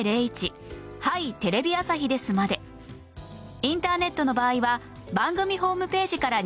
インターネットの場合は番組ホームページから入力してください